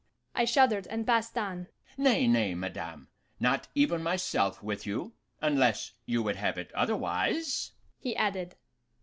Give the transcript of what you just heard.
I shuddered, and passed on. 'Nay, nay, madame, not even myself with you, unless you would have it otherwise,' he added.